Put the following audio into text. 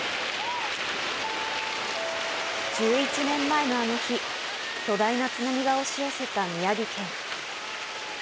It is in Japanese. １１年前のあの日、巨大な津波が押し寄せた宮城県。